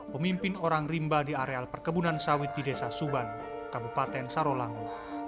pemimpin orang rimba di areal perkebunan sawit di desa suban kabupaten sarolangu